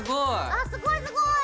あすごいすごい！